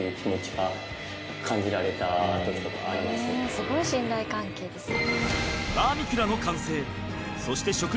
すごい信頼関係ですね。